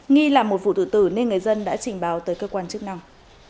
nghi là một vụ tử tử nên người dân đã trình báo tới cơ quan chức năng